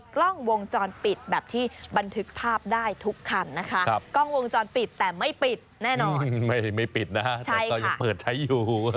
กล้องวงจรปิดแต่ไม่ปิดแน่นอนไม่ปิดนะครับแต่ก็ยังเปิดใช้อยู่